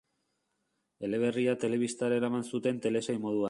Eleberria telebistara eraman zuten telesail moduan.